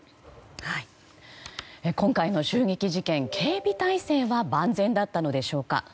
今回の襲撃事件警備体制は万全だったのでしょうか。